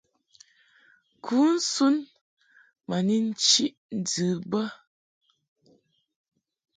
Kǔnsun ma ni nchiʼ ndɨ bə.